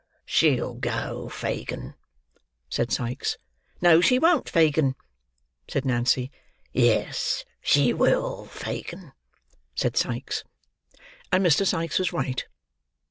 "She'll go, Fagin," said Sikes. "No, she won't, Fagin," said Nancy. "Yes, she will, Fagin," said Sikes. And Mr. Sikes was right.